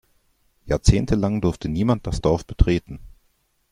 Jahrzehntelang durfte niemand das Dorf betreten.